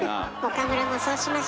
岡村もそうしましょ。